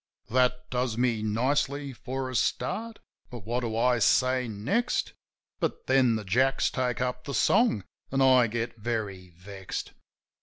That does me nicely for a start ; but what do I say next ?" But then the Jacks take up the song, an' I get very vexed.